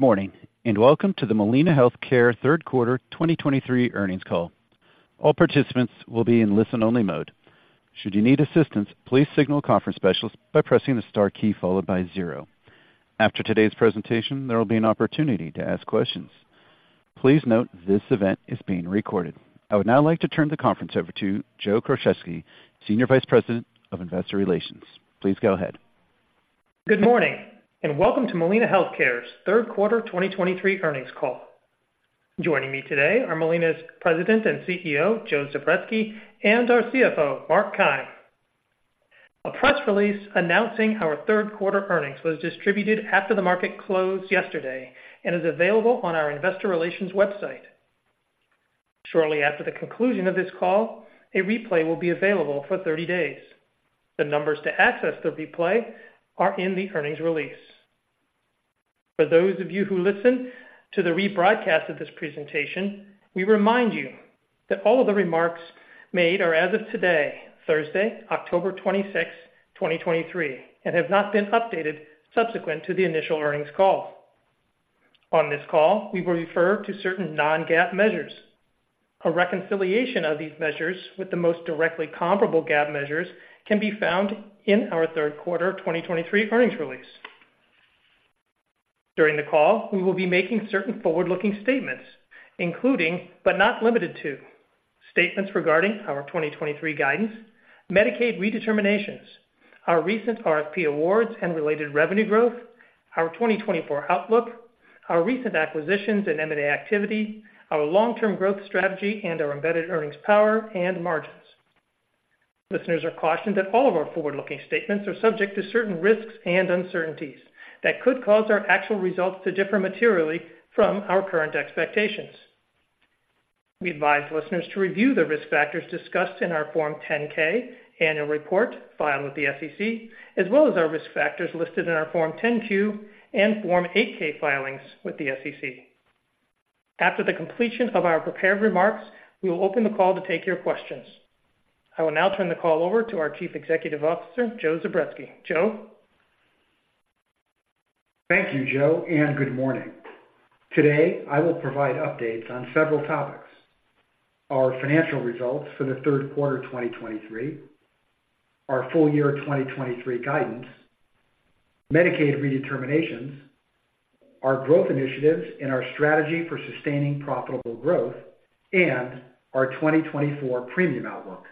Good morning, and welcome to the Molina Healthcare Q3 2023 earnings call. All participants will be in listen-only mode. Should you need assistance, please signal a conference specialist by pressing the star key followed by zero. After today's presentation, there will be an opportunity to ask questions. Please note this event is being recorded. I would now like to turn the conference over to Joe Krocheski, Senior Vice President of Investor Relations. Please go ahead. Good morning, and welcome to Molina Healthcare's Q3 2023 earnings call. Joining me today are Molina's President and CEO, Joseph Zubretsky, and our CFO, Mark Keim. A press release announcing our Q3 earnings was distributed after the market closed yesterday and is available on our investor relations website. Shortly after the conclusion of this call, a replay will be available for 30 days. The numbers to access the replay are in the earnings release. For those of you who listen to the rebroadcast of this presentation, we remind you that all of the remarks made are as of today, Thursday, October 26th, 2023, and have not been updated subsequent to the initial earnings call. On this call, we will refer to certain non-GAAP measures. A reconciliation of these measures with the most directly comparable GAAP measures can be found in our Q3 2023 earnings release. During the call, we will be making certain forward-looking statements, including, but not limited to, statements regarding our 2023 guidance, Medicaid redeterminations, our recent RFP awards and related revenue growth, our 2024 outlook, our recent acquisitions and M&A activity, our long-term growth strategy, and our embedded earnings power and margins. Listeners are cautioned that all of our forward-looking statements are subject to certain risks and uncertainties that could cause our actual results to differ materially from our current expectations. We advise listeners to review the risk factors discussed in our Form 10-K Annual Report filed with the SEC, as well as our risk factors listed in our Form 10-Q and Form 8-K filings with the SEC. After the completion of our prepared remarks, we will open the call to take your questions. I will now turn the call over to our Chief Executive Officer, Joe Zubretsky. Joe? Thank you, Joe, and good morning. Today, I will provide updates on several topics: our financial results for the Q3 2023, our full year 2023 guidance, Medicaid redeterminations, our growth initiatives, and our strategy for sustaining profitable growth, and our 2024 premium outlook.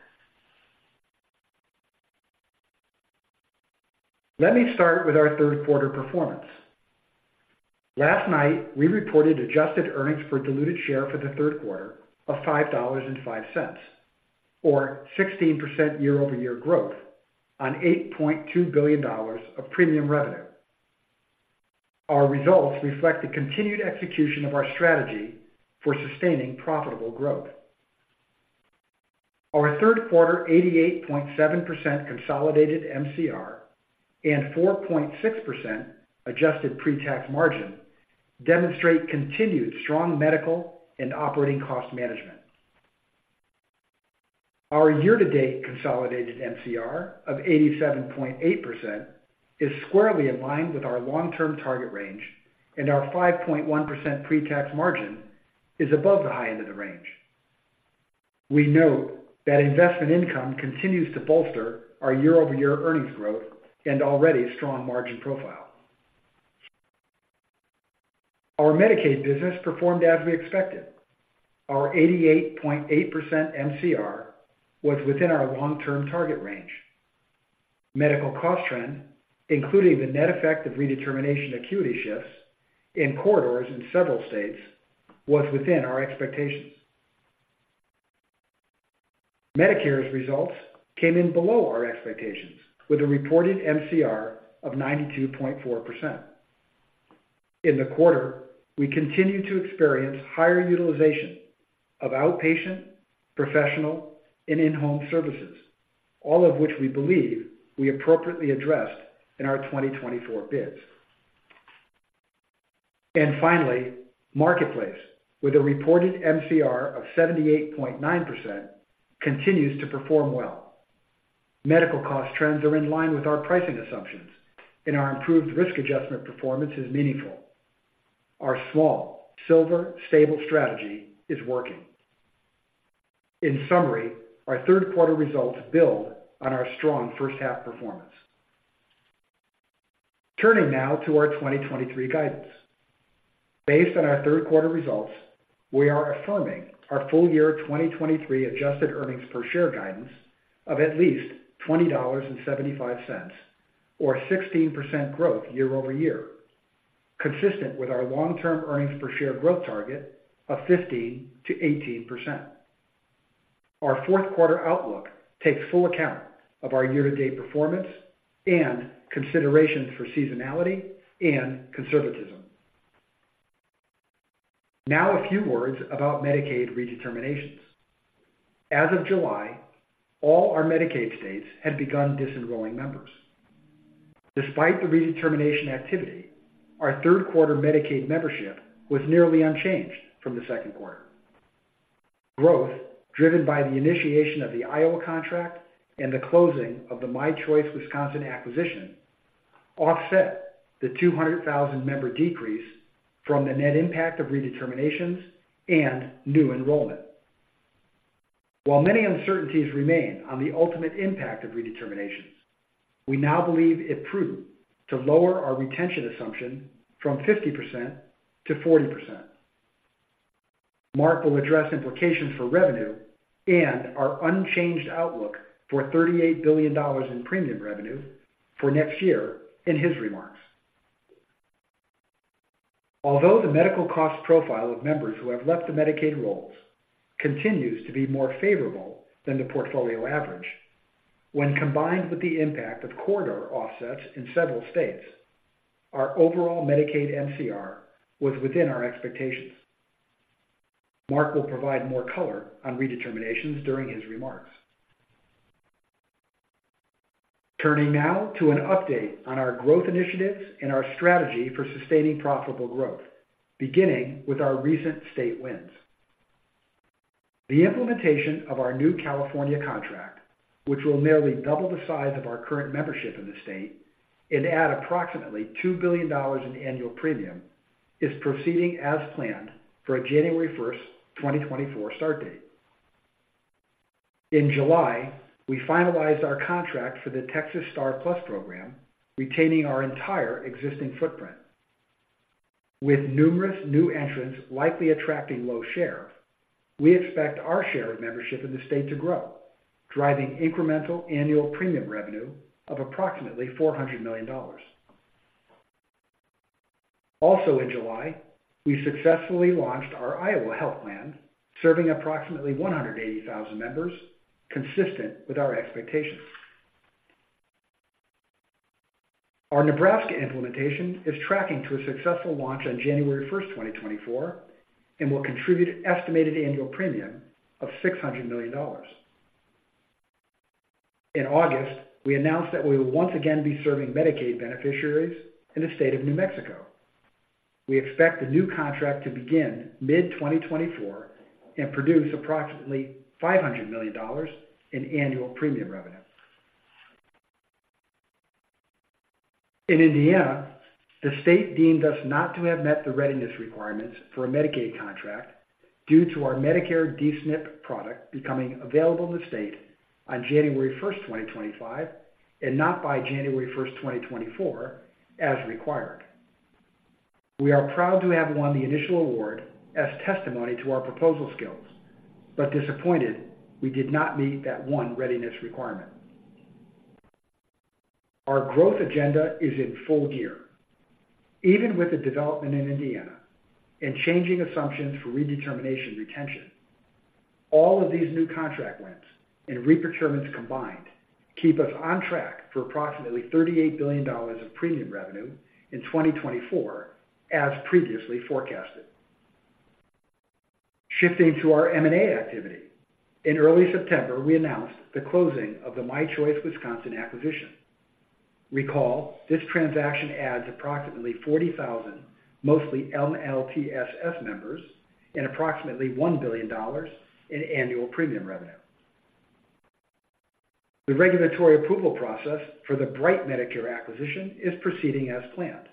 Let me start with our Q3 performance. Last night, we reported adjusted earnings per diluted share for the Q3 of $5.05, or 16% year-over-year growth on $8.2 billion of premium revenue. Our results reflect the continued execution of our strategy for sustaining profitable growth. Our Q3 88.7% consolidated MCR and 4.6% adjusted pre-tax margin demonstrate continued strong medical and operating cost management. Our year-to-date consolidated MCR of 87.8% is squarely aligned with our long-term target range, and our 5.1% pre-tax margin is above the high end of the range. We note that investment income continues to bolster our year-over-year earnings growth and already strong margin profile. Our Medicaid business performed as we expected. Our 88.8% MCR was within our long-term target range. Medical cost trend, including the net effect of redetermination acuity shifts in corridors in several states, was within our expectations. Medicare's results came in below our expectations, with a reported MCR of 92.4%. In the quarter, we continued to experience higher utilization of outpatient, professional, and in-home services, all of which we believe we appropriately addressed in our 2024 bids. And finally, Marketplace, with a reported MCR of 78.9%, continues to perform well. Medical cost trends are in line with our pricing assumptions, and our improved risk adjustment performance is meaningful. Our small, silver, stable strategy is working. In summary, our Q3 results build on our strong first half performance. Turning now to our 2023 guidance. Based on our Q3 results, we are affirming our full year 2023 adjusted earnings per share guidance of at least $20.75, or 16% growth year-over-year, consistent with our long-term earnings per share growth target of 15%-18%. Our Q4 outlook takes full account of our year-to-date performance and considerations for seasonality and conservatism. Now, a few words about Medicaid redeterminations. As of July, all our Medicaid states had begun disenrolling members. Despite the redetermination activity, our Q3 Medicaid membership was nearly unchanged from the Q2. Growth, driven by the initiation of the Iowa contract and the closing of the My Choice Wisconsin acquisition, offset the 200,000 member decrease from the net impact of redeterminations and new enrollment. While many uncertainties remain on the ultimate impact of redeterminations, we now believe it prudent to lower our retention assumption from 50% to 40%. Mark will address implications for revenue and our unchanged outlook for $38 billion in premium revenue for next year in his remarks. Although the medical cost profile of members who have left the Medicaid rolls continues to be more favorable than the portfolio average, when combined with the impact of corridor offsets in several states, our overall Medicaid MCR was within our expectations. Mark will provide more color on redeterminations during his remarks. Turning now to an update on our growth initiatives and our strategy for sustaining profitable growth, beginning with our recent state wins. The implementation of our new California contract, which will nearly double the size of our current membership in the state and add approximately $2 billion in annual premium, is proceeding as planned for a January 1, 2024, start date. In July, we finalized our contract for the Texas STAR+ program, retaining our entire existing footprint. With numerous new entrants likely attracting low share, we expect our share of membership in the state to grow, driving incremental annual premium revenue of approximately $400 million. Also in July, we successfully launched our Iowa Health Plan, serving approximately 180,000 members, consistent with our expectations. Our Nebraska implementation is tracking to a successful launch on January 1, 2024, and will contribute an estimated annual premium of $600 million. In August, we announced that we will once again be serving Medicaid beneficiaries in the state of New Mexico. We expect the new contract to begin mid-2024 and produce approximately $500 million in annual premium revenue. In Indiana, the state deemed us not to have met the readiness requirements for a Medicaid contract due to our Medicare D-SNP product becoming available in the state on January 1, 2025, and not by January 1, 2024, as required. We are proud to have won the initial award as testimony to our proposal skills, but disappointed we did not meet that one readiness requirement. Our growth agenda is in full gear. Even with the development in Indiana and changing assumptions for redetermination retention, all of these new contract wins and reprocurements combined keep us on track for approximately $38 billion of premium revenue in 2024, as previously forecasted. Shifting to our M&A activity. In early September, we announced the closing of the My Choice Wisconsin acquisition. Recall, this transaction adds approximately 40,000, mostly MLTSS members and approximately $1 billion in annual premium revenue. The regulatory approval process for the Bright Medicare acquisition is proceeding as planned.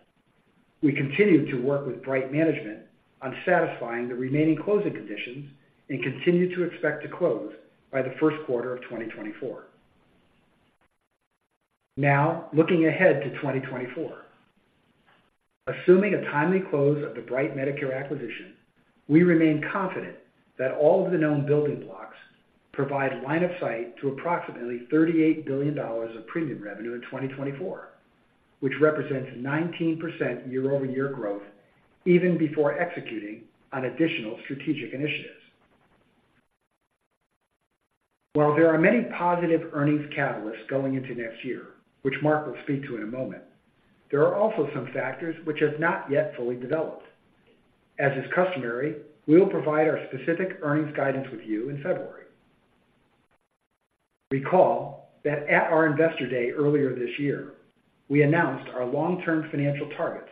We continue to work with Bright management on satisfying the remaining closing conditions and continue to expect to close by the Q1 of 2024. Now, looking ahead to 2024. Assuming a timely close of the Bright Medicare acquisition, we remain confident that all of the known building blocks provide line of sight to approximately $38 billion of premium revenue in 2024, which represents 19% year-over-year growth, even before executing on additional strategic initiatives. While there are many positive earnings catalysts going into next year, which Mark will speak to in a moment, there are also some factors which have not yet fully developed. As is customary, we will provide our specific earnings guidance with you in February. Recall that at our Investor Day earlier this year, we announced our long-term financial targets,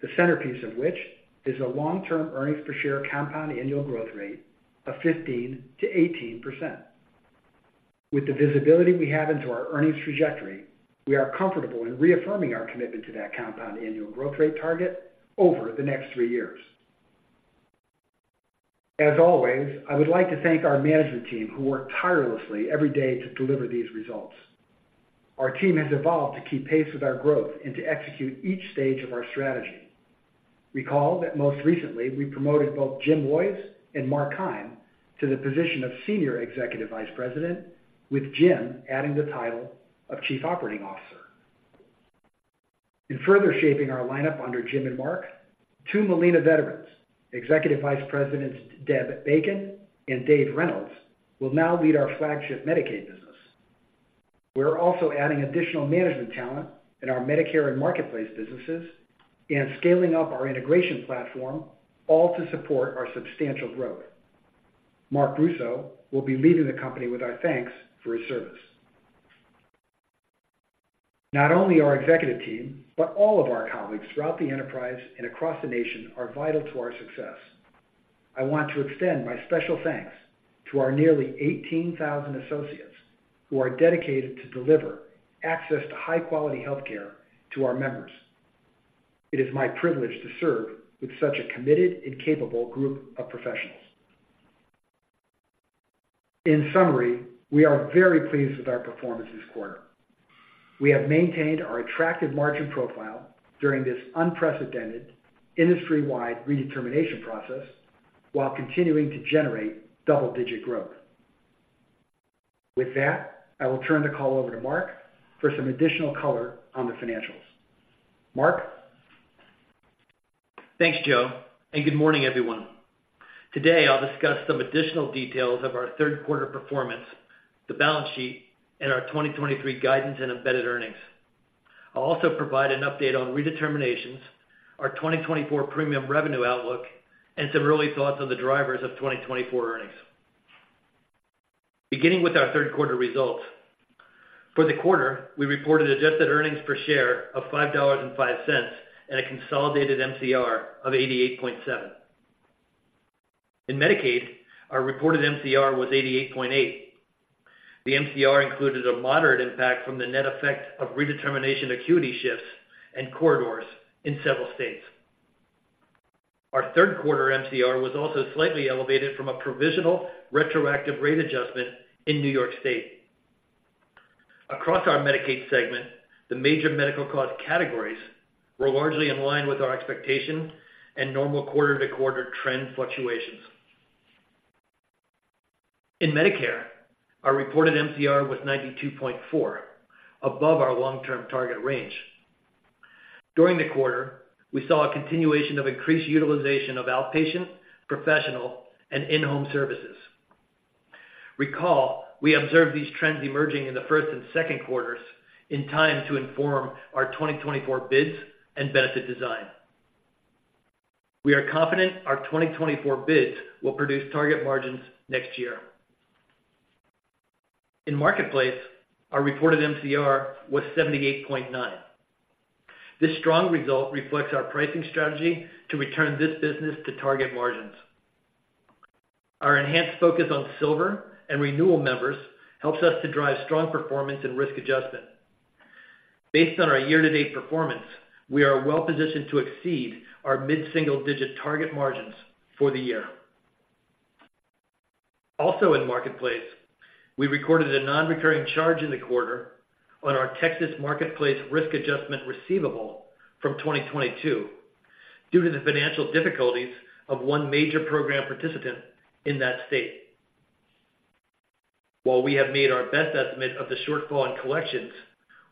the centerpiece of which is a long-term earnings per share compound annual growth rate of 15%-18%. With the visibility we have into our earnings trajectory, we are comfortable in reaffirming our commitment to that compound annual growth rate target over the next three years. As always, I would like to thank our management team, who work tirelessly every day to deliver these results. Our team has evolved to keep pace with our growth and to execute each stage of our strategy. Recall that most recently, we promoted both Jim Woys and Mark Keim to the position of Senior Executive Vice President, with Jim adding the title of Chief Operating Officer. In further shaping our lineup under Jim and Mark, two Molina veterans, Executive Vice Presidents Deb Bacon and Dave Reynolds, will now lead our flagship Medicaid business. We're also adding additional management talent in our Medicare and Marketplace businesses and scaling up our integration platform, all to support our substantial growth. Marc Russo will be leaving the company with our thanks for his service. Not only our executive team, but all of our colleagues throughout the enterprise and across the nation are vital to our success. I want to extend my special thanks to our nearly 18,000 associates who are dedicated to deliver access to high-quality healthcare to our members. It is my privilege to serve with such a committed and capable group of professionals. In summary, we are very pleased with our performance this quarter. We have maintained our attractive margin profile during this unprecedented industry-wide redetermination process, while continuing to generate double-digit growth. With that, I will turn the call over to Mark for some additional color on the financials. Mark? Thanks, Joe, and good morning, everyone. Today, I'll discuss some additional details of our Q3 performance, the balance sheet, and our 2023 guidance and embedded earnings. I'll also provide an update on redeterminations, our 2024 premium revenue outlook, and some early thoughts on the drivers of 2024 earnings. Beginning with our Q3 results, for the quarter, we reported adjusted EPS of $5.05, and a consolidated MCR of 88.7%. In Medicaid, our reported MCR was 88.8%. The MCR included a moderate impact from the net effect of redetermination acuity shifts and corridors in several states. Our Q3 MCR was also slightly elevated from a provisional retroactive rate adjustment in New York State. Across our Medicaid segment, the major medical cost categories were largely in line with our expectations and normal quarter-to-quarter trend fluctuations. In Medicare, our reported MCR was 92.4%, above our long-term target range. During the quarter, we saw a continuation of increased utilization of outpatient, professional, and in-home services. Recall, we observed these trends emerging in the Q1 and Q2 in time to inform our 2024 bids and benefit design. We are confident our 2024 bids will produce target margins next year. In Marketplace, our reported MCR was 78.9%. This strong result reflects our pricing strategy to return this business to target margins. Our enhanced focus on silver and renewal members helps us to drive strong performance and risk adjustment. Based on our year-to-date performance, we are well positioned to exceed our mid-single-digit target margins for the year. Also, in Marketplace, we recorded a non-recurring charge in the quarter on our Texas Marketplace risk adjustment receivable from 2022 due to the financial difficulties of one major program participant in that state. While we have made our best estimate of the shortfall in collections,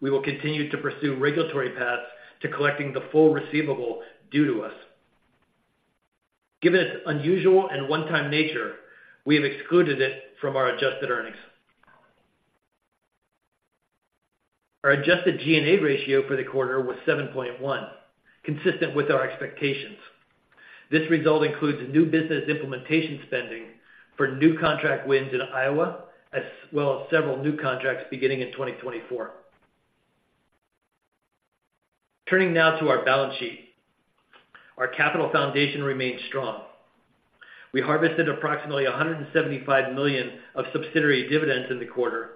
we will continue to pursue regulatory paths to collecting the full receivable due to us. Given its unusual and one-time nature, we have excluded it from our adjusted earnings. Our adjusted G&A ratio for the quarter was 7.1, consistent with our expectations. This result includes new business implementation spending for new contract wins in Iowa, as well as several new contracts beginning in 2024. Turning now to our balance sheet. Our capital foundation remains strong. We harvested approximately $175 million of subsidiary dividends in the quarter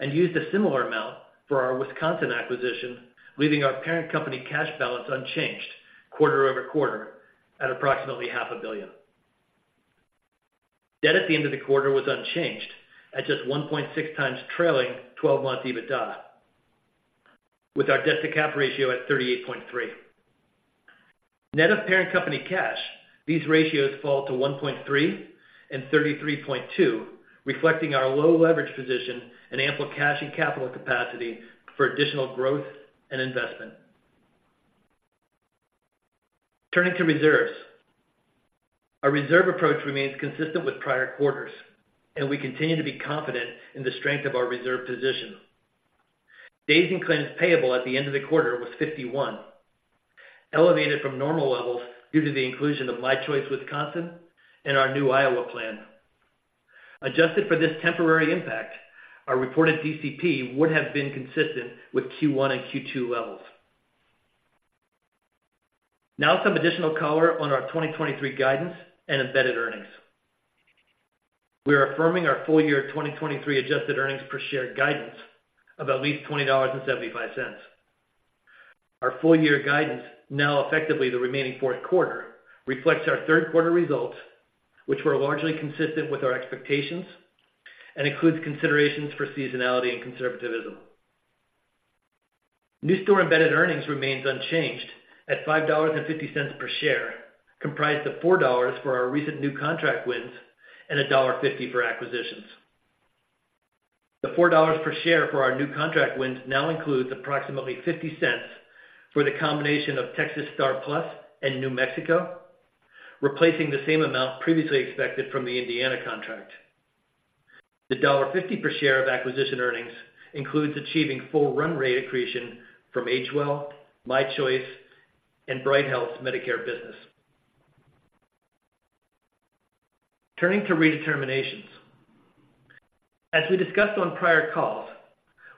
and used a similar amount for our Wisconsin acquisition, leaving our parent company cash balance unchanged quarter-over-quarter at approximately $500 million. Debt at the end of the quarter was unchanged at just 1.6x trailing 12 month EBITDA, with our debt-to-cap ratio at 38.3. Net of parent company cash, these ratios fall to 1.3 and 33.2, reflecting our low leverage position and ample cash and capital capacity for additional growth and investment. Turning to reserves. Our reserve approach remains consistent with prior quarters, and we continue to be confident in the strength of our reserve position. Days in claims payable at the end of the quarter was 51, elevated from normal levels due to the inclusion of My Choice Wisconsin and our new Iowa plan. Adjusted for this temporary impact, our reported DCP would have been consistent with Q1 and Q2 levels. Now some additional color on our 2023 guidance and embedded earnings. We are affirming our full-year 2023 adjusted earnings per share guidance of at least $20.75. Our full-year guidance, now effectively the remaining Q4, reflects our Q3 results, which were largely consistent with our expectations and includes considerations for seasonality and conservatism. New store embedded earnings remains unchanged at $5.50 per share, comprised of $4 for our recent new contract wins and $1.50 for acquisitions. The $4 per share for our new contract wins now includes approximately $0.50 for the combination of Texas STAR+ and New Mexico, replacing the same amount previously expected from the Indiana contract. The $1.50 per share of acquisition earnings includes achieving full run rate accretion from AgeWell, My Choice, and Bright Health's Medicare business. Turning to redeterminations. As we discussed on prior calls,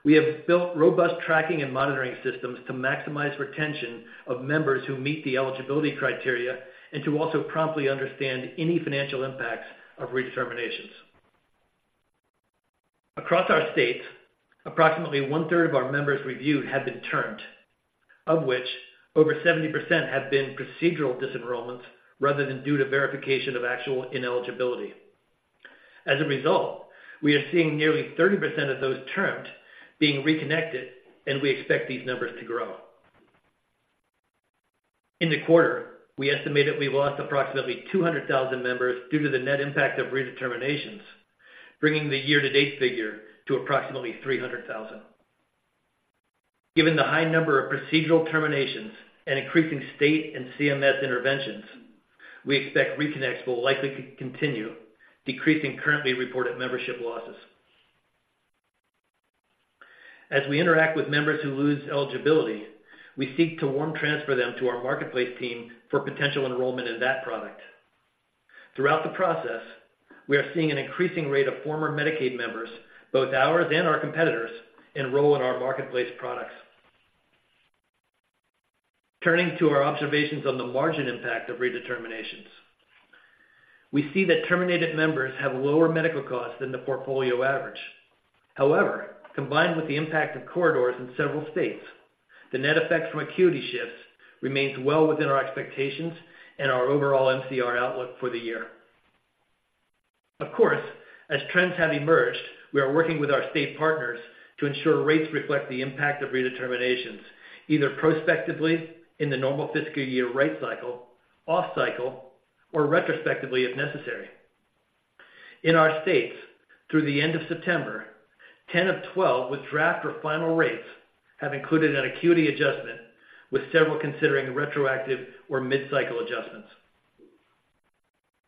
we have built robust tracking and monitoring systems to maximize retention of members who meet the eligibility criteria and to also promptly understand any financial impacts of redeterminations. Across our states, approximately one-third of our members reviewed have been termed, of which over 70% have been procedural disenrollments rather than due to verification of actual ineligibility. As a result, we are seeing nearly 30% of those termed being reconnected, and we expect these numbers to grow. In the quarter, we estimated we lost approximately 200,000 members due to the net impact of redeterminations, bringing the year-to-date figure to approximately 300,000. Given the high number of procedural terminations and increasing state and CMS interventions, we expect reconnects will likely continue, decreasing currently reported membership losses. As we interact with members who lose eligibility, we seek to warm transfer them to our Marketplace team for potential enrollment in that product. Throughout the process, we are seeing an increasing rate of former Medicaid members, both ours and our competitors, enroll in our Marketplace products. Turning to our observations on the margin impact of redeterminations. We see that terminated members have lower medical costs than the portfolio average. However, combined with the impact of corridors in several states, the net effect from acuity shifts remains well within our expectations and our overall MCR outlook for the year. Of course, as trends have emerged, we are working with our state partners to ensure rates reflect the impact of redeterminations, either prospectively in the normal fiscal year rate cycle, off cycle, or retrospectively if necessary. In our states, through the end of September, 10 of 12 with draft or final rates have included an acuity adjustment, with several considering retroactive or mid-cycle adjustments.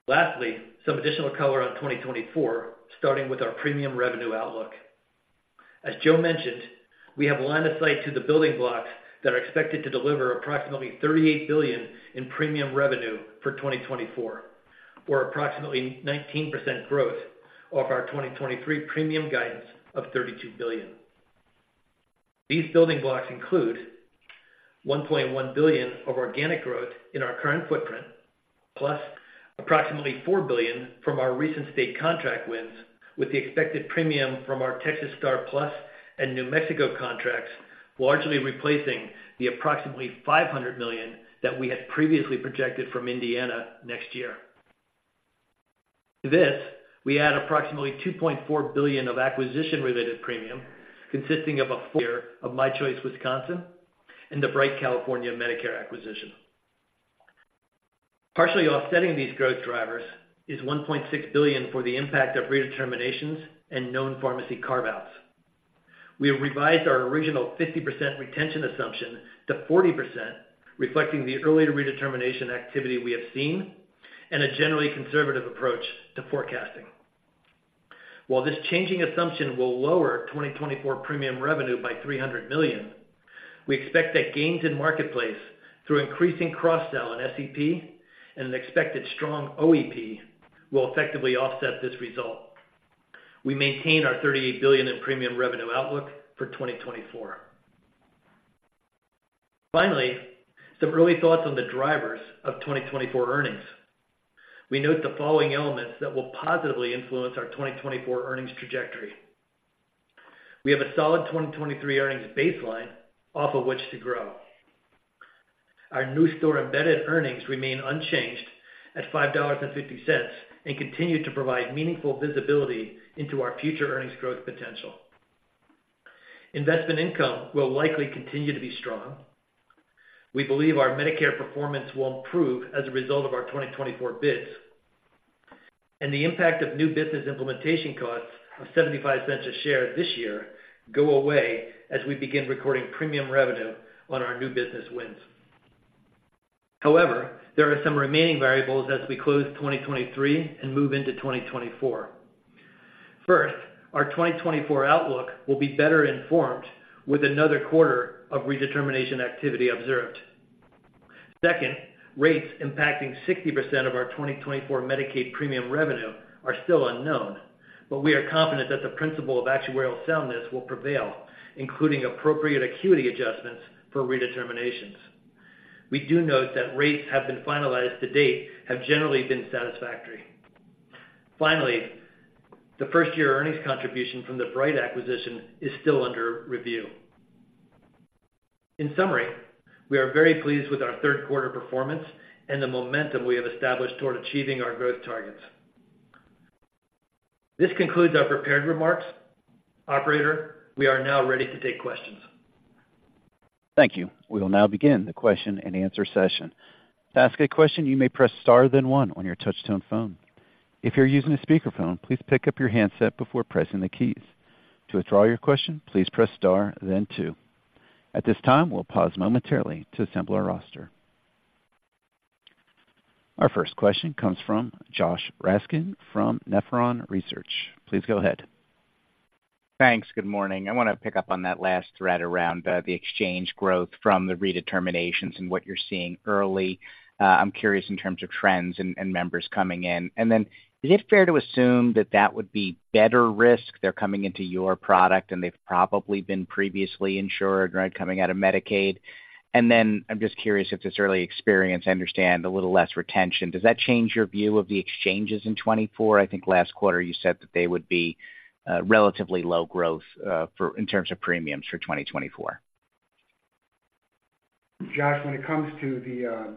Lastly, some additional color on 2024, starting with our premium revenue outlook. As Joe mentioned, we have line of sight to the building blocks that are expected to deliver approximately $38 billion in premium revenue for 2024, or approximately 19% growth off our 2023 premium guidance of $32 billion. These building blocks include $1.1 billion of organic growth in our current footprint, plus approximately $4 billion from our recent state contract wins, with the expected premium from our Texas STAR+ and New Mexico contracts, largely replacing the approximately $500 million that we had previously projected from Indiana next year. To this, we add approximately $2.4 billion of acquisition-related premium, consisting of a full year of My Choice Wisconsin and the Bright Health California Medicare acquisition. Partially offsetting these growth drivers is $1.6 billion for the impact of redeterminations and known pharmacy carve-outs. We have revised our original 50% retention assumption to 40%, reflecting the earlier redetermination activity we have seen and a generally conservative approach to forecasting. While this changing assumption will lower 2024 premium revenue by $300 million, we expect that gains in Marketplace through increasing cross-sell in SEP and an expected strong OEP will effectively offset this result. We maintain our $38 billion in premium revenue outlook for 2024. Finally, some early thoughts on the drivers of 2024 earnings. We note the following elements that will positively influence our 2024 earnings trajectory. We have a solid 2023 earnings baseline off of which to grow. Our new store embedded earnings remain unchanged at $5.50 and continue to provide meaningful visibility into our future earnings growth potential. Investment income will likely continue to be strong. We believe our Medicare performance will improve as a result of our 2024 bids, and the impact of new business implementation costs of $0.75 a share this year go away as we begin recording premium revenue on our new business wins. However, there are some remaining variables as we close 2023 and move into 2024. First, our 2024 outlook will be better informed with another quarter of redetermination activity observed. Second, rates impacting 60% of our 2024 Medicaid premium revenue are still unknown, but we are confident that the principle of actuarial soundness will prevail, including appropriate acuity adjustments for redeterminations. We do note that rates have been finalized to date have generally been satisfactory. Finally, the first-year earnings contribution from the Bright acquisition is still under review. In summary, we are very pleased with our Q3 performance and the momentum we have established toward achieving our growth targets. This concludes our prepared remarks. Operator, we are now ready to take questions. Thank you. We will now begin the question and answer session. To ask a question, you may press star, then one on your touchtone phone. If you're using a speakerphone, please pick up your handset before pressing the keys. To withdraw your question, please press star then two. At this time, we'll pause momentarily to assemble our roster. Our first question comes from Josh Raskin from Nephron Research. Please go ahead. ... Thanks. Good morning. I want to pick up on that last thread around the exchange growth from the redeterminations and what you're seeing early. I'm curious in terms of trends and members coming in. And then is it fair to assume that that would be better risk? They're coming into your product, and they've probably been previously insured, right, coming out of Medicaid. And then I'm just curious if this early experience, I understand a little less retention, does that change your view of the exchanges in 2024? I think last quarter you said that they would be relatively low growth, for, in terms of premiums for 2024. Josh, when it comes to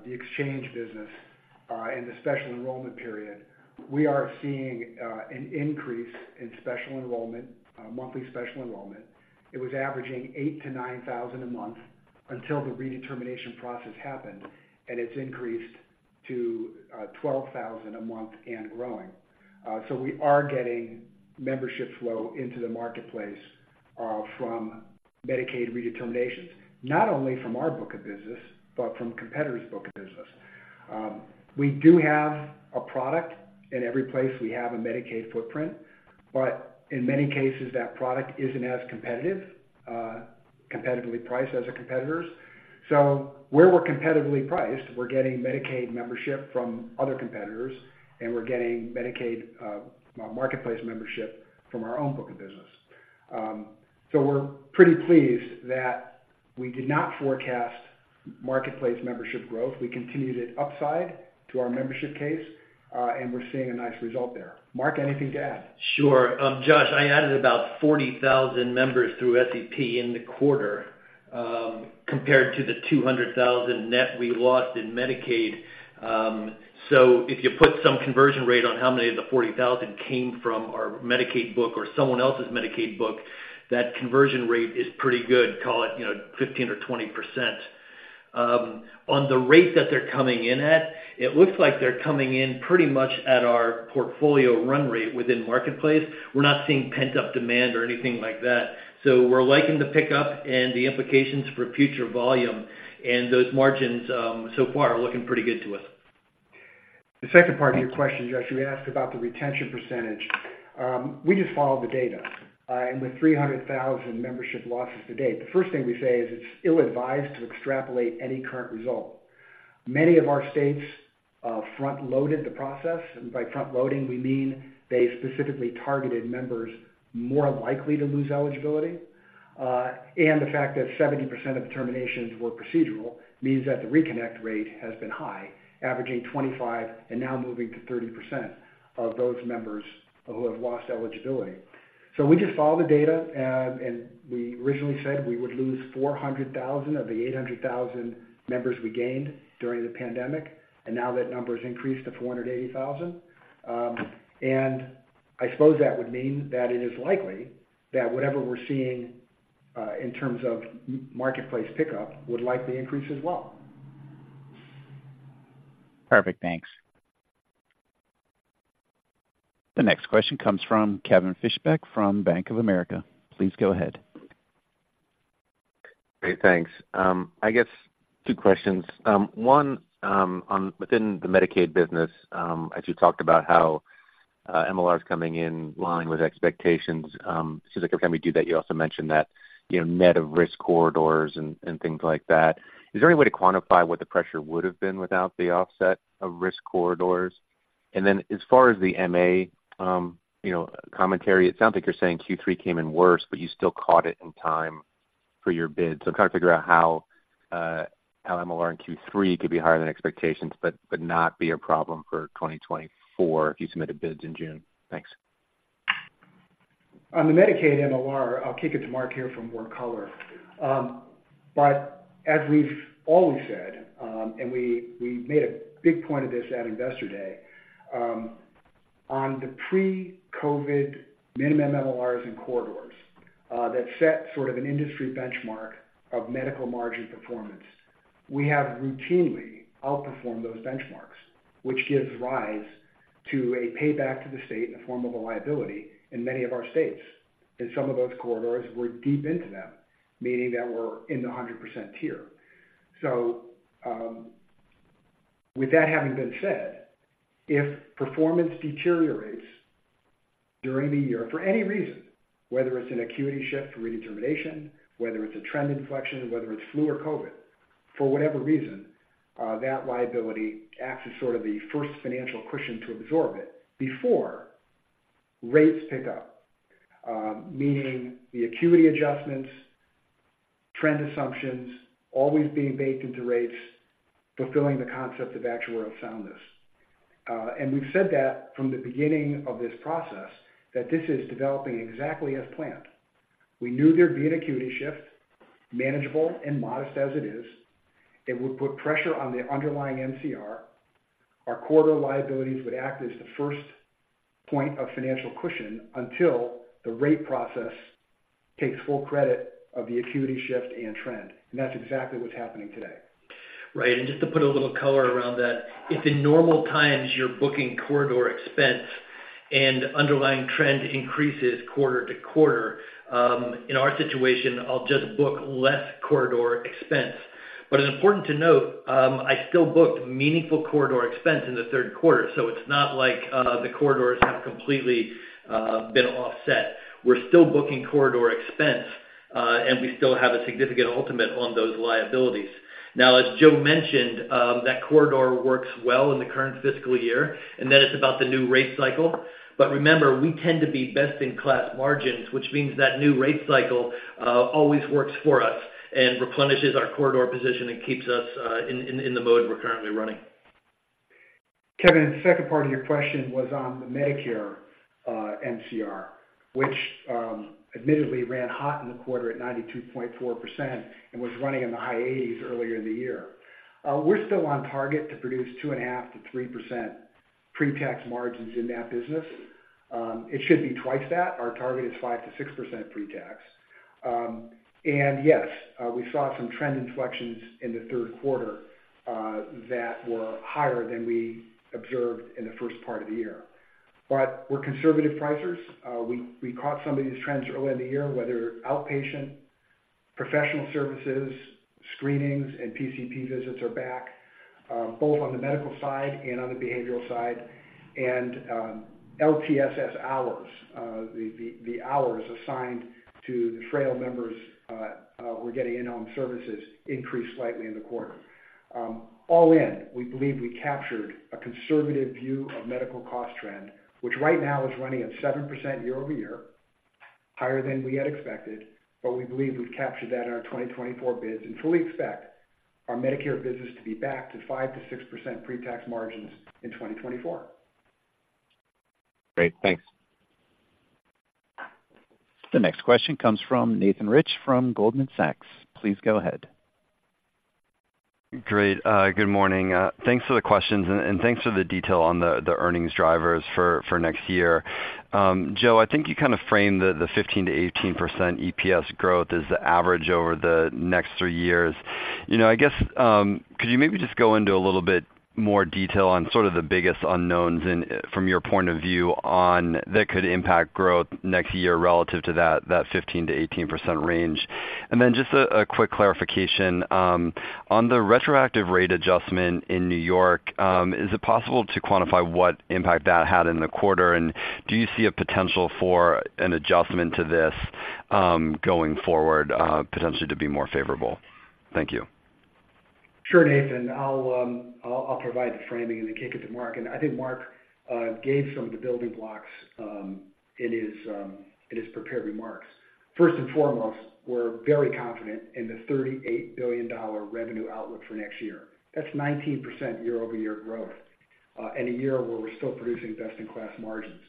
the exchange business and the special enrollment period, we are seeing an increase in special enrollment, monthly special enrollment. It was averaging 8,000-9,000 a month until the redetermination process happened, and it's increased to 12,000 a month and growing. So we are getting membership flow into the Marketplace from Medicaid redeterminations, not only from our book of business, but from competitors' book of business. We do have a product in every place we have a Medicaid footprint, but in many cases, that product isn't as competitively priced as our competitors. So where we're competitively priced, we're getting Medicaid membership from other competitors, and we're getting Medicaid Marketplace membership from our own book of business. So we're pretty pleased that we did not forecast Marketplace membership growth. We continued it upside to our membership case, and we're seeing a nice result there. Mark, anything to add? Sure. Josh, I added about 40,000 members through SEP in the quarter, compared to the 200,000 net we lost in Medicaid. So if you put some conversion rate on how many of the 40,000 came from our Medicaid book or someone else's Medicaid book, that conversion rate is pretty good, call it, you know, 15% or 20%. On the rate that they're coming in at, it looks like they're coming in pretty much at our portfolio run rate within Marketplace. We're not seeing pent-up demand or anything like that, so we're liking the pickup and the implications for future volume, and those margins, so far are looking pretty good to us. The second part of your question, Josh, you asked about the retention percentage. We just follow the data, and with 300,000 membership losses to date, the first thing we say is it's ill-advised to extrapolate any current result. Many of our states front-loaded the process, and by front-loading, we mean they specifically targeted members more likely to lose eligibility. And the fact that 70% of the terminations were procedural means that the reconnect rate has been high, averaging 25 and now moving to 30% of those members who have lost eligibility. So we just follow the data, and we originally said we would lose 400,000 of the 800,000 members we gained during the pandemic, and now that number has increased to 480,000. I suppose that would mean that it is likely that whatever we're seeing in terms of Marketplace pickup would likely increase as well. Perfect. Thanks. The next question comes from Kevin Fischbeck, from Bank of America. Please go ahead. Great. Thanks. I guess two questions. One, on within the Medicaid business, as you talked about how, MLR is coming in line with expectations, seems like every time we do that, you also mention that, you know, net of risk corridors and, and things like that. Is there any way to quantify what the pressure would have been without the offset of risk corridors? And then as far as the MA, you know, commentary, it sounds like you're saying Q3 came in worse, but you still caught it in time for your bid. So I'm trying to figure out how, how MLR in Q3 could be higher than expectations but, but not be a problem for 2024 if you submitted bids in June. Thanks. On the Medicaid MLR, I'll kick it to Mark here for more color. But as we've always said, and we made a big point of this at Investor Day, on the pre-COVID minimum MLRs and corridors, that set sort of an industry benchmark of medical margin performance, we have routinely outperformed those benchmarks, which gives rise to a payback to the state in the form of a liability in many of our states, and some of those corridors were deep into them, meaning that we're in the 100% tier. So, with that having been said, if performance deteriorates during the year for any reason, whether it's an acuity shift, redetermination, whether it's a trend inflection, whether it's flu or COVID, for whatever reason, that liability acts as sort of the first financial cushion to absorb it before rates pick up. Meaning the acuity adjustments, trend assumptions, always being baked into rates, fulfilling the concept of actuarial soundness. And we've said that from the beginning of this process, that this is developing exactly as planned. We knew there'd be an acuity shift, manageable and modest as it is. It would put pressure on the underlying MCR. Our corridor liabilities would act as the first point of financial cushion until the rate process takes full credit of the acuity shift and trend, and that's exactly what's happening today. Right, and just to put a little color around that, if in normal times you're booking corridor expense and underlying trend increases quarter to quarter, in our situation, I'll just book less corridor expense. But it's important to note, I still booked meaningful corridor expense in the Q3, so it's not like the corridors have completely been offset. We're still booking corridor expense, and we still have a significant ultimate on those liabilities. Now, as Joe mentioned, that corridor works well in the current fiscal year, and then it's about the new rate cycle. But remember, we tend to be best-in-class margins, which means that new rate cycle always works for us and replenishes our corridor position and keeps us in the mode we're currently running. Kevin, the second part of your question was on the Medicare MCR, which admittedly ran hot in the quarter at 92.4% and was running in the high 80s earlier in the year. We're still on target to produce 2.5%-3% pretax margins in that business. It should be twice that. Our target is 5%-6% pretax. And yes, we saw some trend inflections in the Q3 that were higher than we observed in the first part of the year. But we're conservative pricers. We caught some of these trends early in the year, whether outpatient, professional services, screenings, and PCP visits are back, both on the medical side and on the behavioral side. LTSS hours, the hours assigned to the frail members who are getting in-home services increased slightly in the quarter. All in, we believe we captured a conservative view of medical cost trend, which right now is running at 7% year-over-year, higher than we had expected, but we believe we've captured that in our 2024 bids and fully expect our Medicare business to be back to 5%-6% pre-tax margins in 2024. Great. Thanks. The next question comes from Nathan Rich, from Goldman Sachs. Please go ahead. Great. Good morning. Thanks for the questions, and thanks for the detail on the earnings drivers for next year. Joe, I think you kind of framed the 15%-18% EPS growth as the average over the next three years. You know, I guess, could you maybe just go into a little bit more detail on sort of the biggest unknowns in, from your point of view on, that could impact growth next year relative to that 15%-18% range? And then just a quick clarification. On the retroactive rate adjustment in New York, is it possible to quantify what impact that had in the quarter? And do you see a potential for an adjustment to this, going forward, potentially to be more favorable? Thank you. Sure, Nathan. I'll provide the framing and then kick it to Mark. And I think Mark gave some of the building blocks in his prepared remarks. First and foremost, we're very confident in the $38 billion revenue outlook for next year. That's 19% year-over-year growth, and a year where we're still producing best-in-class margins.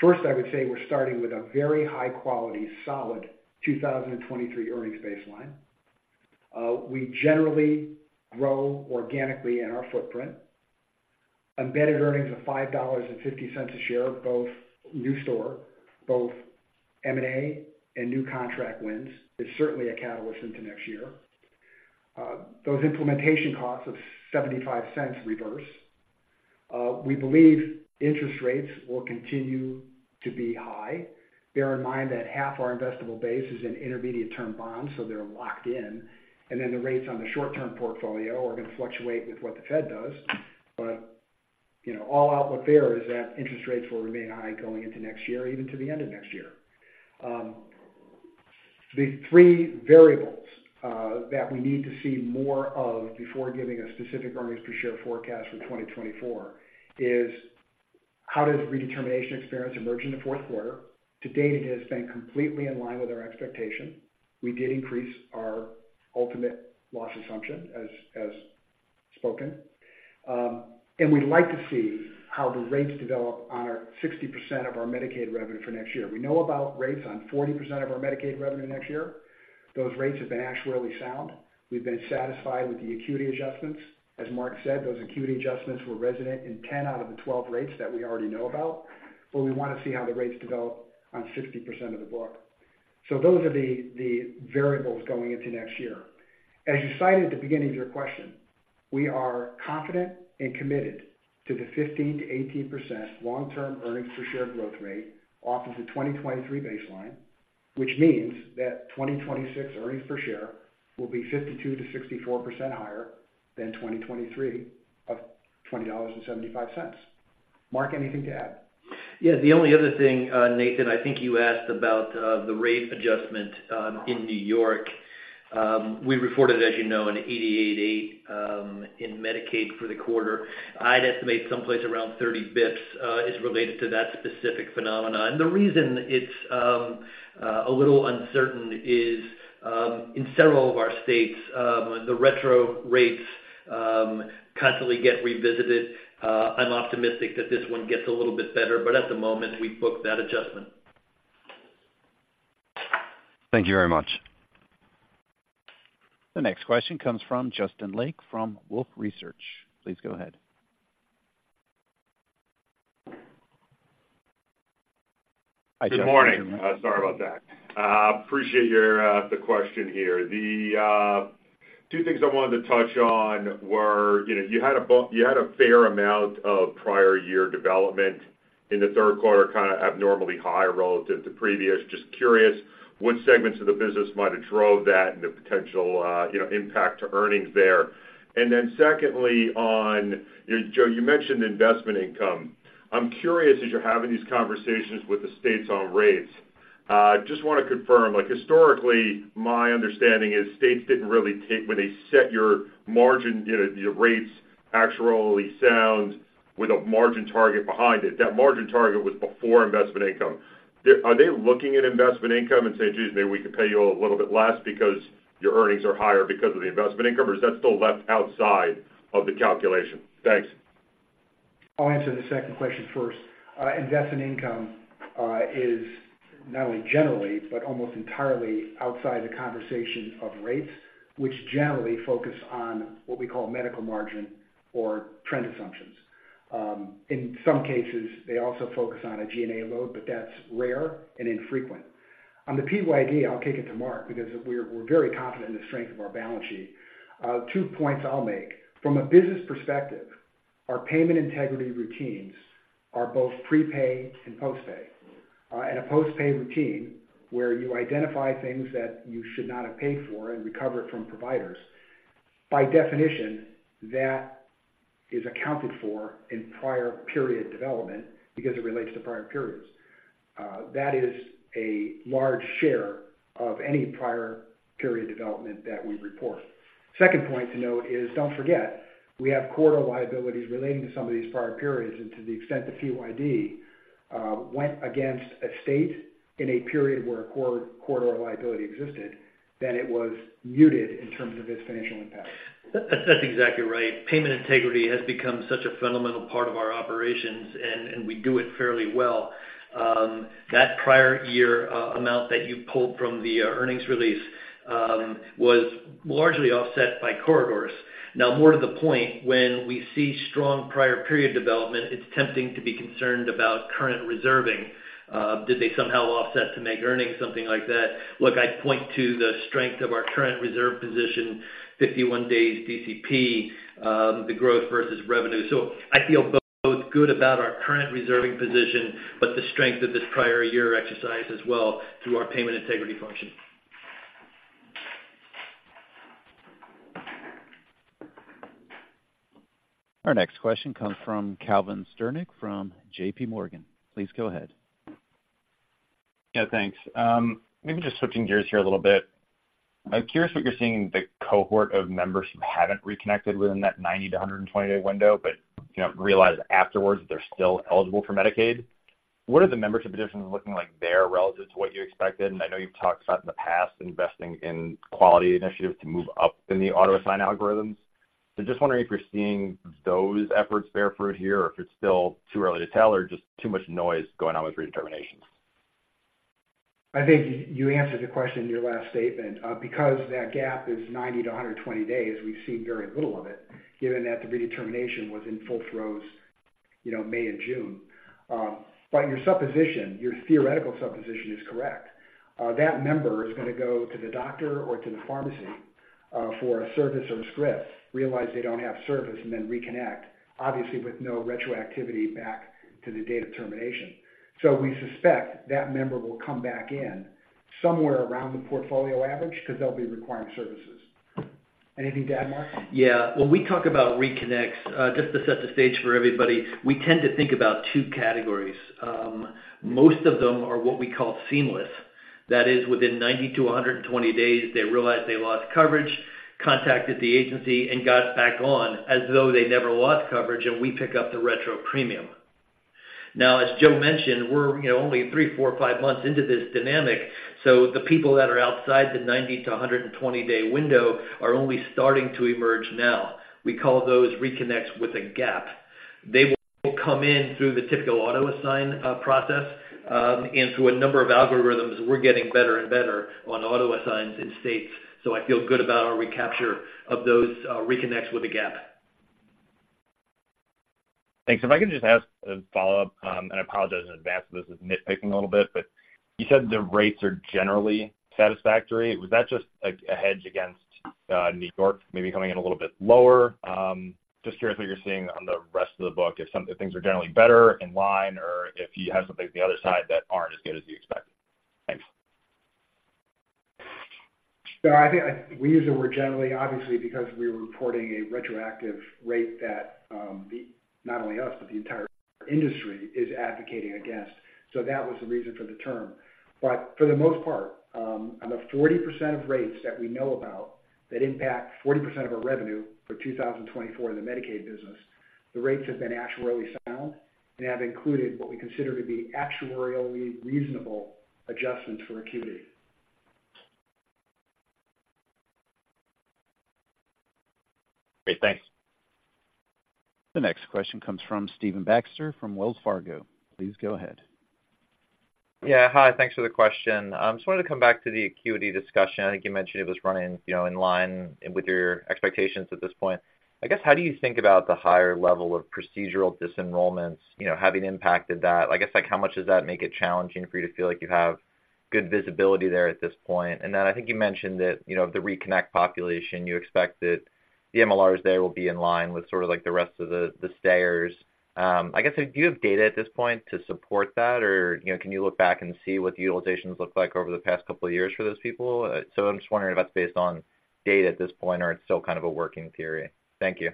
First, I would say we're starting with a very high quality, solid 2023 earnings baseline. We generally grow organically in our footprint. Embedded earnings of $5.50 a share, both new states, both M&A and new contract wins, is certainly a catalyst into next year. Those implementation costs of $0.75 reverse. We believe interest rates will continue to be high. Bear in mind that half our investable base is in intermediate-term bonds, so they're locked in, and then the rates on the short-term portfolio are going to fluctuate with what the Fed does. But, you know, all outlook there is that interest rates will remain high going into next year, even to the end of next year. The 3 variables that we need to see more of before giving a specific earnings per share forecast for 2024 is: how does redetermination experience emerge in the Q4? To date, it has been completely in line with our expectation. We did increase our ultimate loss assumption, as spoken. And we'd like to see how the rates develop on our 60% of our Medicaid revenue for next year. We know about rates on 40% of our Medicaid revenue next year. Those rates have been actuarially sound. We've been satisfied with the Acuity Adjustments. As Mark said, those Acuity Adjustments were present in 10 out of the 12 rates that we already know about, but we want to see how the rates develop on 60% of the book. So those are the variables going into next year. As you cited at the beginning of your question, we are confident and committed to the 15%-18% long-term earnings per share growth rate off of the 2023 baseline, which means that 2026 earnings per share will be 52%-64% higher than 2023, of $20.75. Mark, anything to add? Yeah, the only other thing, Nathan, I think you asked about the rate adjustment in New York. We reported, as you know, an 88 in Medicaid for the quarter. I'd estimate someplace around 30 basis points is related to that specific phenomenon. And the reason it's a little uncertain is, in several of our states, the retro rates constantly get revisited. I'm optimistic that this one gets a little bit better, but at the moment, we book that adjustment. Thank you very much. The next question comes from Justin Lake, from Wolfe Research. Please go ahead. Hi, Justin. Good morning. Sorry about that. Appreciate the question here. The two things I wanted to touch on were, you know, you had a fair amount of prior year development in the Q3 kind of abnormally high relative to previous. Just curious, which segments of the business might have drove that and the potential, you know, impact to earnings there? And then secondly, on Joe, you mentioned investment income. I'm curious, as you're having these conversations with the states on rates, just want to confirm, like, historically, my understanding is states didn't really take when they set your margin, you know, your rates actuarially sound with a margin target behind it. That margin target was before investment income. Are they looking at investment income and saying, geez, maybe we could pay you a little bit less because your earnings are higher because of the investment income, or is that still left outside of the calculation? Thanks. I'll answer the second question first. Investment income is not only generally, but almost entirely outside the conversation of rates, which generally focus on what we call medical margin or trend assumptions. In some cases, they also focus on a G&A load, but that's rare and infrequent. On the PYD, I'll kick it to Mark, because we're very confident in the strength of our balance sheet. Two points I'll make. From a business perspective, our payment integrity routines are both prepay and post-pay. And a post-pay routine, where you identify things that you should not have paid for and recover it from providers, by definition, that is accounted for in prior period development because it relates to prior periods. That is a large share of any prior period development that we report. Second point to note is, don't forget, we have corridor liabilities relating to some of these prior periods, and to the extent the PYD went against a state in a period where a corridor liability existed, then it was muted in terms of its financial impact. That's exactly right. Payment integrity has become such a fundamental part of our operations, and, and we do it fairly well. That prior year amount that you pulled from the earnings release was largely offset by corridors. Now, more to the point, when we see strong prior period development, it's tempting to be concerned about current reserving. Did they somehow offset to make earnings, something like that? Look, I'd point to the strength of our current reserve position, 51 days DCP, the growth versus revenue. So I feel both good about our current reserving position, but the strength of this prior year exercise as well through our payment integrity function. Our next question comes from Calvin Sternick from J.P. Morgan. Please go ahead. Yeah, thanks. Maybe just switching gears here a little bit. I'm curious what you're seeing the cohort of members who haven't reconnected within that 90-120 day window, but, you know, realize afterwards that they're still eligible for Medicaid. What are the membership positions looking like there relative to what you expected? And I know you've talked about in the past, investing in quality initiatives to move up in the Auto-Assign algorithms. So just wondering if you're seeing those efforts bear fruit here, or if it's still too early to tell, or just too much noise going on with redeterminations. I think you answered the question in your last statement. Because that gap is 90-120 days, we've seen very little of it, given that the redetermination was in full throes, you know, May and June. But your supposition, your theoretical supposition is correct. That member is going to go to the doctor or to the pharmacy, for a service or a script, realize they don't have service, and then reconnect, obviously, with no retroactivity back to the date of termination. So we suspect that member will come back in somewhere around the portfolio average because they'll be requiring services. Anything to add, Mark? Yeah. When we talk about reconnects, just to set the stage for everybody, we tend to think about two categories. Most of them are what we call seamless. That is, within 90-120 days, they realized they lost coverage, contacted the agency, and got back on as though they never lost coverage, and we pick up the retro premium. Now, as Joe mentioned, we're, you know, only 3, 4, 5 months into this dynamic, so the people that are outside the 90-120 day window are only starting to emerge now. We call those reconnects with a gap. They will come in through the typical auto-assign process, and through a number of algorithms, we're getting better and better on auto-assigns in states. So I feel good about our recapture of those reconnects with a gap. Thanks. If I could just ask a follow-up, and I apologize in advance if this is nitpicking a little bit, but you said the rates are generally satisfactory. Was that just a hedge against New York maybe coming in a little bit lower? Just curious what you're seeing on the rest of the book, if things are generally better, in line, or if you have something on the other side that aren't as good as you expected. Thanks. So I think we use the word generally, obviously, because we're reporting a retroactive rate that not only us, but the entire industry is advocating against. So that was the reason for the term. But for the most part, on the 40% of rates that we know about, that impact 40% of our revenue for 2024 in the Medicaid business, the rates have been actuarially sound and have included what we consider to be actuarially reasonable adjustments for acuity. Great. Thanks. The next question comes from Stephen Baxter from Wells Fargo. Please go ahead. Yeah. Hi, thanks for the question. I just wanted to come back to the acuity discussion. I think you mentioned it was running, you know, in line with your expectations at this point. I guess, how do you think about the higher level of procedural dis enrollments, you know, having impacted that? I guess, like, how much does that make it challenging for you to feel like you have... good visibility there at this point. And then I think you mentioned that, you know, the reconnect population, you expect that the MLRs there will be in line with sort of like the rest of the stayers. I guess, do you have data at this point to support that? Or, you know, can you look back and see what the utilizations looked like over the past couple of years for those people? So I'm just wondering if that's based on data at this point, or it's still kind of a working theory. Thank you.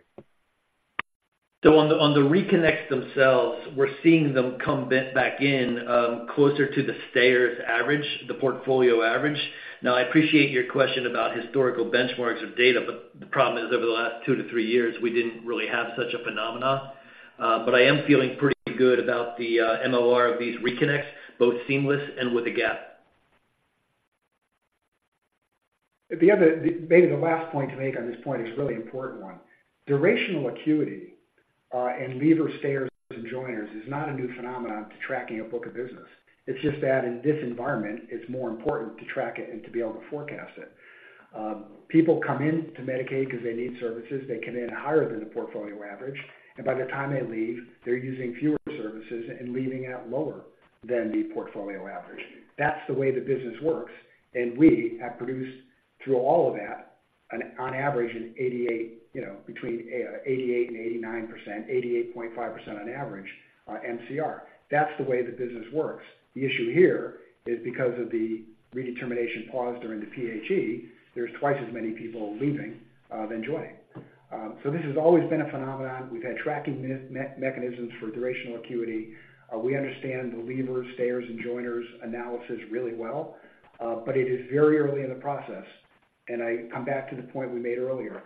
So on the reconnects themselves, we're seeing them come back in closer to the stayers average, the portfolio average. Now, I appreciate your question about historical benchmarks of data, but the problem is, over the last 2-3 years, we didn't really have such a phenomenon. But I am feeling pretty good about the MLR of these reconnects, both seamless and with a gap. At the end of the-- maybe the last point to make on this point is a really important one. Durational acuity, and leavers, stayers, and joiners is not a new phenomenon to tracking a book of business. It's just that in this environment, it's more important to track it and to be able to forecast it. People come in to Medicaid because they need services. They come in higher than the portfolio average, and by the time they leave, they're using fewer services and leaving out lower than the portfolio average. That's the way the business works, and we have produced, through all of that, an on average, an 88, you know, between 88% and 89%, 88.5% on average, MCR. That's the way the business works. The issue here is because of the redetermination pause during the PHE, there's twice as many people leaving than joining. So this has always been a phenomenon. We've had tracking mechanisms for durational acuity. We understand the leavers, stayers, and joiners analysis really well, but it is very early in the process, and I come back to the point we made earlier.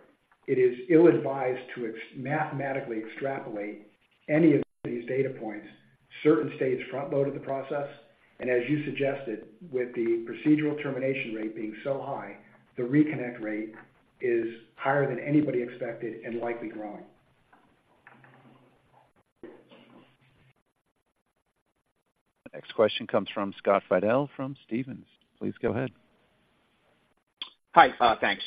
It is ill-advised to mathematically extrapolate any of these data points. Certain states front-loaded the process, and as you suggested, with the procedural termination rate being so high, the reconnect rate is higher than anybody expected and likely growing. Next question comes from Scott Fidel from Stephens. Please go ahead. Hi, thanks.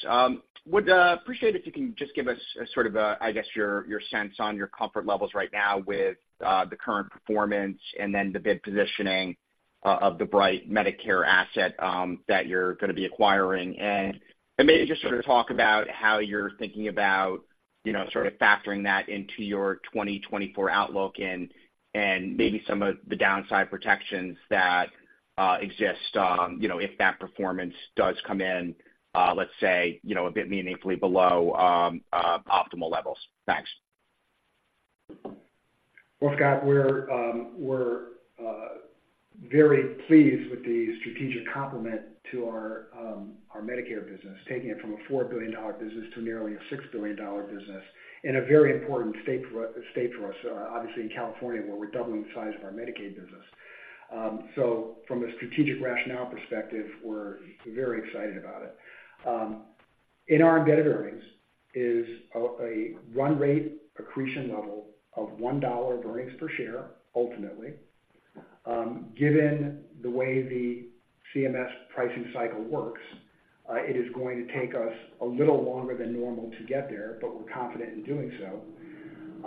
Would appreciate if you can just give us a sort of a, I guess, your sense on your comfort levels right now with the current performance and then the bid positioning of the Bright Medicare asset that you're going to be acquiring. And maybe just sort of talk about how you're thinking about, you know, sort of factoring that into your 2024 outlook and maybe some of the downside protections that exist, you know, if that performance does come in, let's say, you know, a bit meaningfully below optimal levels. Thanks. Well, Scott, we're very pleased with the strategic complement to our Medicare business, taking it from a $4 billion business to nearly a $6 billion business in a very important state for us, obviously, in California, where we're doubling the size of our Medicaid business. So from a strategic rationale perspective, we're very excited about it. In our embedded earnings is a run rate accretion level of $1 of earnings per share, ultimately. Given the way the CMS pricing cycle works, it is going to take us a little longer than normal to get there, but we're confident in doing so.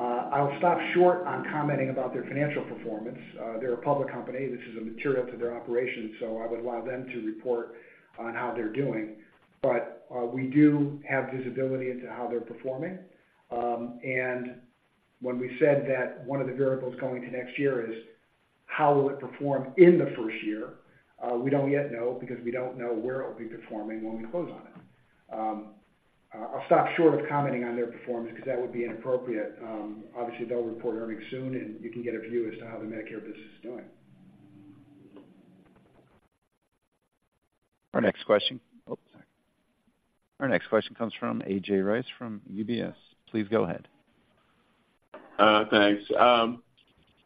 I'll stop short on commenting about their financial performance. They're a public company. This is immaterial to their operations, so I would allow them to report on how they're doing. But, we do have visibility into how they're performing. And when we said that one of the variables going to next year is how will it perform in the first year, we don't yet know because we don't know where it will be performing when we close on it. I'll stop short of commenting on their performance because that would be inappropriate. Obviously, they'll report earnings soon, and you can get a view as to how the Medicare business is doing. Our next question... Oh, sorry. Our next question comes from A.J. Rice from UBS. Please go ahead. Thanks.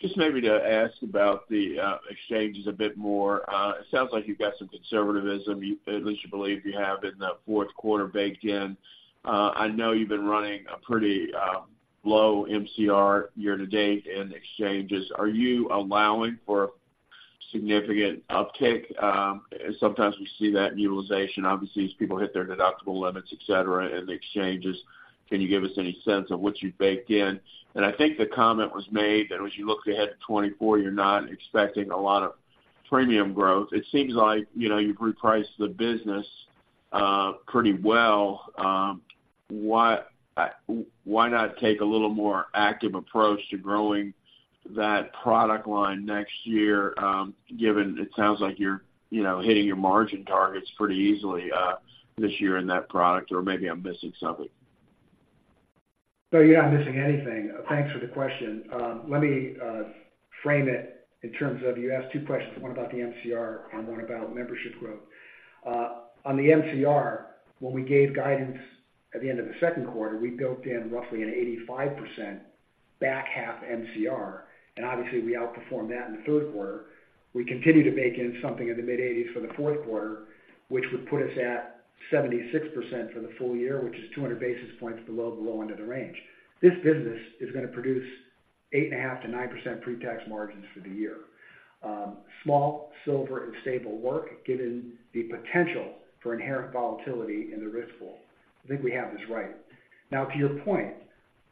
Just maybe to ask about the exchanges a bit more. It sounds like you've got some conservatism, at least you believe you have in the Q4, baked in. I know you've been running a pretty low MCR year to date in exchanges. Are you allowing for significant uptick? Sometimes we see that in utilization, obviously, as people hit their deductible limits, et cetera, in the exchanges. Can you give us any sense of what you've baked in? And I think the comment was made that as you look ahead to 2024, you're not expecting a lot of premium growth. It seems like, you know, you've repriced the business pretty well. Why not take a little more active approach to growing that product line next year, given it sounds like you're, you know, hitting your margin targets pretty easily this year in that product, or maybe I'm missing something? No, you're not missing anything. Thanks for the question. Let me frame it in terms of, you asked two questions, one about the MCR and one about membership growth. On the MCR, when we gave guidance at the end of the Q2, we built in roughly an 85% back half MCR, and obviously, we outperformed that in the Q3. We continue to bake in something in the mid-80s for the Q4, which would put us at 76% for the full year, which is 200 basis points below the low end of the range. This business is going to produce 8.5%-9% pre-tax margins for the year. Small, silver, and stable work, given the potential for inherent volatility in the risk pool. I think we have this right. Now, to your point,...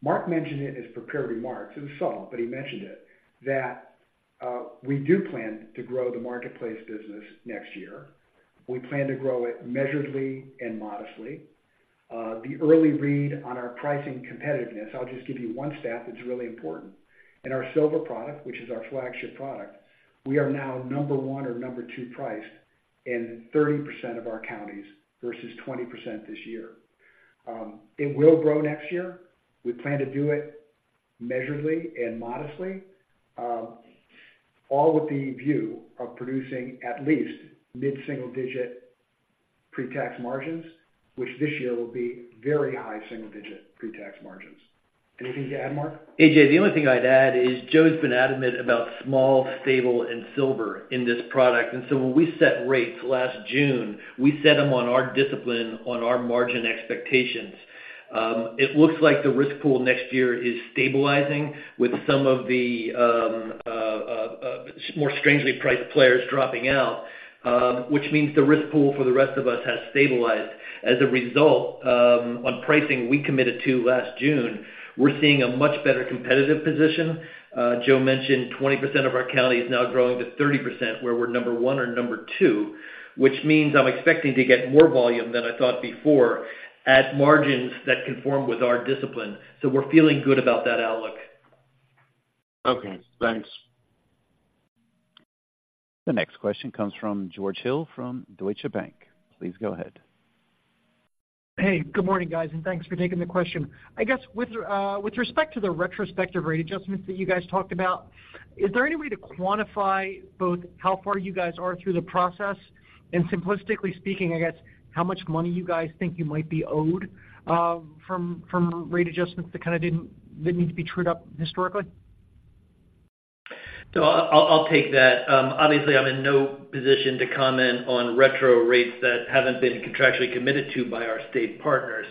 Mark mentioned in his prepared remarks, it was subtle, but he mentioned it, that we do plan to grow the Marketplace business next year. We plan to grow it measuredly and modestly. The early read on our pricing competitiveness, I'll just give you one stat that's really important. In our silver product, which is our flagship product, we are now number one or number two priced in 30% of our counties versus 20% this year. It will grow next year. We plan to do it measuredly and modestly, all with the view of producing at least mid-single digit pre-tax margins, which this year will be very high single digit pre-tax margins. Anything to add, Mark? A.J., the only thing I'd add is Joe's been adamant about small, stable, and silver in this product, and so when we set rates last June, we set them on our discipline, on our margin expectations. It looks like the risk pool next year is stabilizing with some of the more strangely priced players dropping out, which means the risk pool for the rest of us has stabilized. As a result, on pricing we committed to last June, we're seeing a much better competitive position. Joe mentioned 20% of our counties now growing to 30%, where we're number one or number two, which means I'm expecting to get more volume than I thought before at margins that conform with our discipline. So we're feeling good about that outlook. Okay, thanks. The next question comes from George Hill from Deutsche Bank. Please go ahead. Hey, good morning, guys, and thanks for taking the question. I guess with respect to the retrospective rate adjustments that you guys talked about, is there any way to quantify both how far you guys are through the process, and simplistically speaking, I guess, how much money you guys think you might be owed from rate adjustments that kind of didn't, that need to be trued up historically? So I'll take that. Obviously, I'm in no position to comment on retro rates that haven't been contractually committed to by our state partners.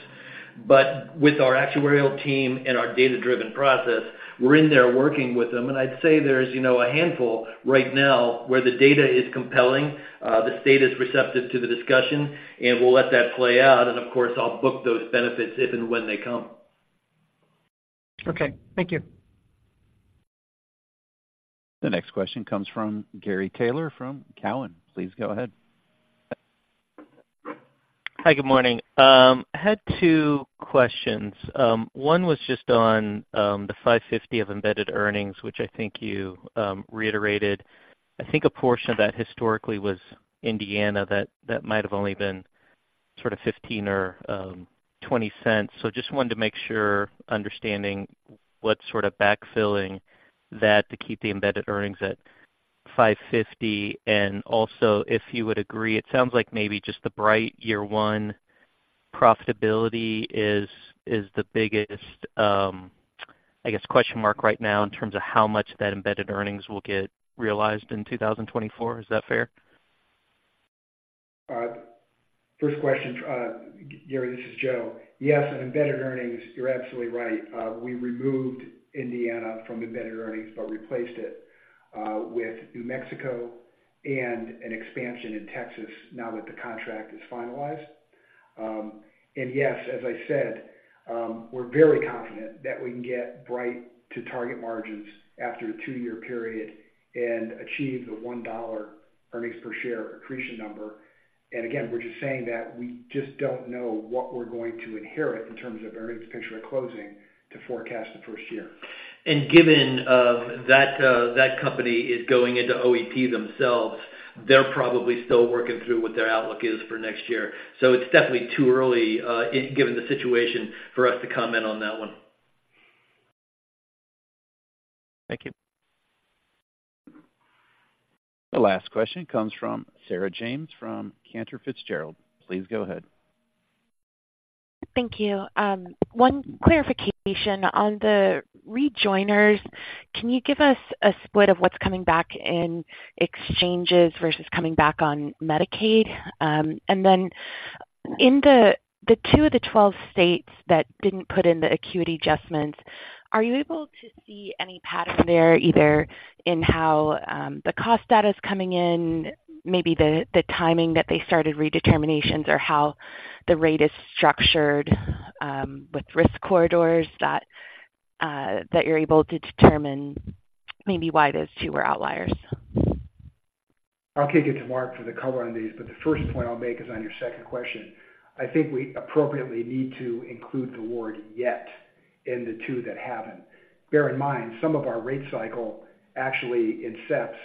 But with our actuarial team and our data-driven process, we're in there working with them, and I'd say there's, you know, a handful right now where the data is compelling, the state is receptive to the discussion, and we'll let that play out. And of course, I'll book those benefits if and when they come. Okay, thank you. The next question comes from Gary Taylor from Cowen. Please go ahead. Hi, good morning. I had two questions. One was just on the $5.50 of embedded earnings, which I think you reiterated. I think a portion of that historically was Indiana, that, that might have only been sort of 15 or 20 cents. So just wanted to make sure understanding what sort of backfilling that to keep the embedded earnings at $5.50. And also, if you would agree, it sounds like maybe just the Bright year one profitability is the biggest, I guess, question mark right now in terms of how much of that embedded earnings will get realized in 2024. Is that fair? First question, Gary, this is Joe. Yes, in embedded earnings, you're absolutely right. We removed Indiana from embedded earnings, but replaced it with New Mexico and an expansion in Texas now that the contract is finalized. Yes, as I said, we're very confident that we can get Bright to target margins after a two-year period and achieve the $1 earnings per share accretion number. Again, we're just saying that we just don't know what we're going to inherit in terms of earnings picture at closing to forecast the first year. Given that that company is going into OEP themselves, they're probably still working through what their outlook is for next year. It's definitely too early, given the situation, for us to comment on that one. Thank you. The last question comes from Sarah James from Cantor Fitzgerald. Please go ahead. Thank you. One clarification on the rejoiners. Can you give us a split of what's coming back in exchanges versus coming back on Medicaid? And then in the, the 2 of the 12 states that didn't put in the acuity adjustments, are you able to see any pattern there, either in how the cost data is coming in, maybe the, the timing that they started redeterminations, or how the rate is structured with risk corridors, that you're able to determine maybe why those 2 were outliers? I'll kick it to Mark for the color on these, but the first point I'll make is on your second question. I think we appropriately need to include the word yet in the two that haven't. Bear in mind, some of our rate cycle actually incepts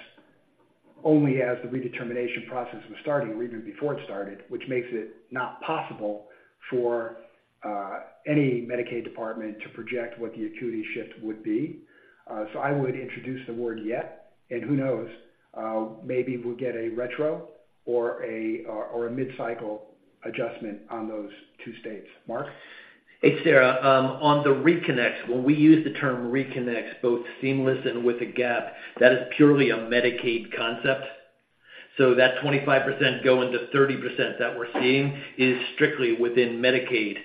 only as the redetermination process was starting, or even before it started, which makes it not possible for any Medicaid department to project what the acuity shift would be. So I would introduce the word yet, and who knows? Maybe we'll get a retro or a mid-cycle adjustment on those two states. Mark? Hey, Sarah, on the reconnects, when we use the term reconnects, both seamless and with a gap, that is purely a Medicaid concept. So that 25% going to 30% that we're seeing is strictly within Medicaid.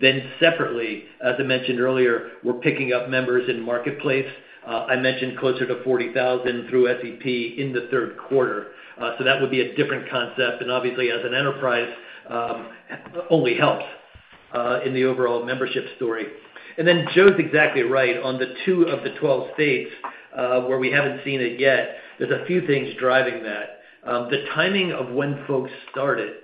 Then separately, as I mentioned earlier, we're picking up members in Marketplace. I mentioned closer to 40,000 through SEP in the Q3. So that would be a different concept, and obviously, as an enterprise, only helps in the overall membership story. And then Joe's exactly right on the 2 of the 12 states, where we haven't seen it yet. There's a few things driving that. The timing of when folks started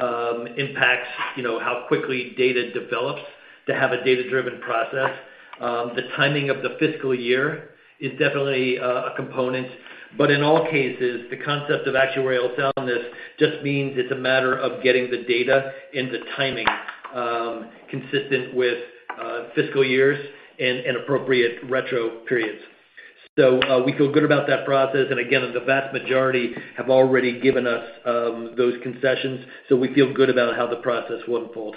impacts, you know, how quickly data develops to have a data-driven process. The timing of the fiscal year is definitely a component, but in all cases, the concept of actuarial soundness just means it's a matter of getting the data and the timing consistent with fiscal years and appropriate retro periods. So, we feel good about that process, and again, the vast majority have already given us those concessions, so we feel good about how the process will unfold.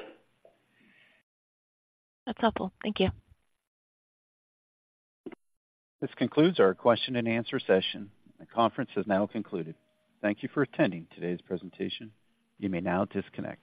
That's helpful. Thank you. This concludes our question-and-answer session. The conference has now concluded. Thank you for attending today's presentation. You may now disconnect.